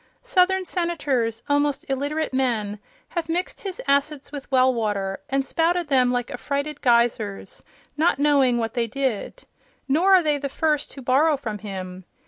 Southern Senators, almost illiterate men, have mixed his acids with well water and spouted them like affrighted geysers, not knowing what they did. Nor are they the first to borrow from him.